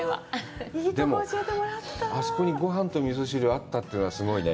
でも、あそこに、ごはんと味噌汁あったというのがすごいね。